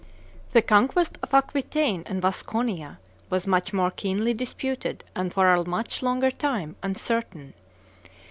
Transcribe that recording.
The conquest of Aquitaine and Vasconia was much more keenly disputed and for a much longer time uncertain.